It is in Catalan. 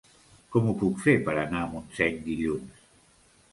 Com ho puc fer per anar a Montseny dilluns?